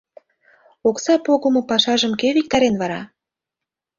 — Окса погымо пашажым кӧ виктарен вара?